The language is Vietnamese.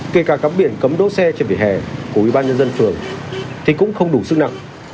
kể cả cắm biển cấm đỗ xe trên vỉa hè của ubnd phường thì cũng không đủ sức nặng